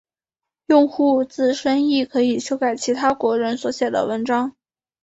用户自身亦可以修改其他国人所写的文章。